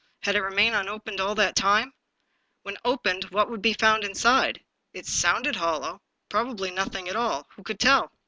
Had it remained unopened all that time ? When opened, what would be found inside? It sounded hollow ; probably nothing at all — ^who could tell